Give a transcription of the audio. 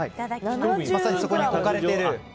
まさにそこに置かれている。